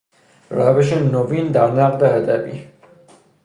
روش نوین در نقد ادبی